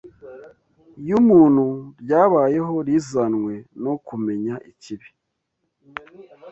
y’umuntu ryabayeho rizanwe no kumenya ikibi